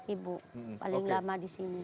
ibu paling lama di sini